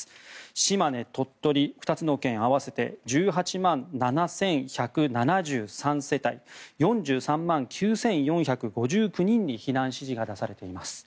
島根、鳥取、２つの県合わせて１８万７１７３世帯４３万９４５９人に避難指示が出されています。